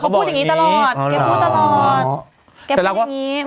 เขาพูดอย่างนี้ตลอด